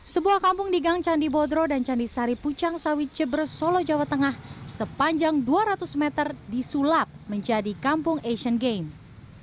sebuah kampung di gang candi bodro dan candisari pucang sawit jebres solo jawa tengah sepanjang dua ratus meter disulap menjadi kampung asian games